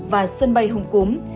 và sân bay hồng cúm